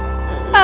aku tidak bisa